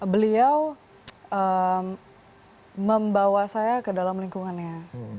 beliau membawa saya ke dalam lingkungannya